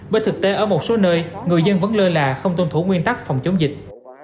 bởi thực tế ở một số nơi người dân vẫn lơ là không tuân thủ nguyên tắc phòng chống dịch